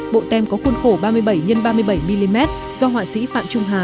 bộ tem có khuôn khổ ba mươi bảy x ba mươi bảy mm